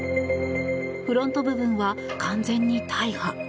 フロント部分は完全に大破。